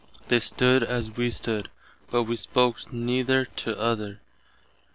They stood as we stood, but wee spoke neither to other.